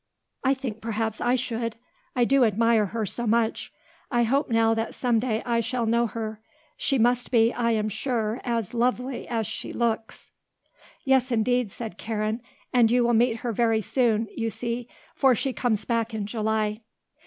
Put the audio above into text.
I think perhaps I should. I do admire her so much. I hope now that some day I shall know her. She must be, I am sure, as lovely as she looks." "Yes, indeed," said Karen. "And you will meet her very soon, you see, for she comes back in July."